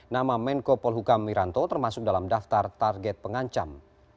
nama menko polhukam wiranto termasuk dalam daftar target pengancam